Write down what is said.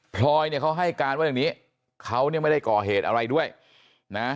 พลอยเนี่ยเขาให้การว่าอย่างนี้เขาเนี่ยไม่ได้ก่อเหตุอะไรด้วยนะ